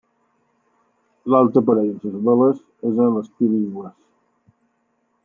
L'alt aparell de les veles és a l'estil anglès.